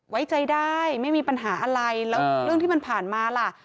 ไว้ใจได้ไม่มีปัญหาอะไรแล้วเรื่องที่มันผ่านมาล่ะ